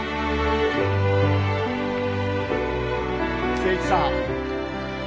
誠一さん。